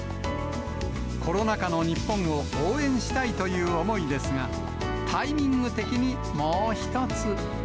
コロナ禍の日本を応援したいという思いですが、タイミング的に、もう一つ。